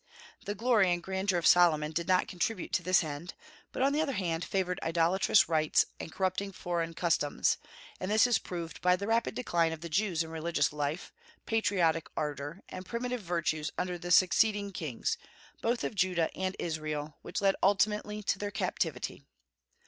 The glory and grandeur of Solomon did not contribute to this end, but on the other hand favored idolatrous rites and corrupting foreign customs; and this is proved by the rapid decline of the Jews in religious life, patriotic ardor, and primitive virtues under the succeeding kings, both of Judah and Israel, which led ultimately to their captivity.